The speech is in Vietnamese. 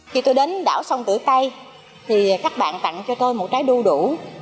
khi tôi đến đảo sông tử tây thì các bạn tặng cho tôi một trái đu đủ